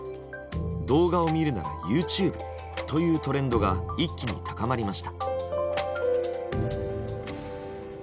「動画を見るならＹｏｕＴｕｂｅ」というトレンドが一気に高まりました。